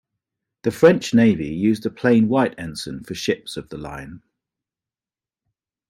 The French Navy used a plain white ensign for ships of the line.